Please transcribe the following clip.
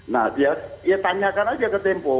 nah ya tanyakan aja ke tempo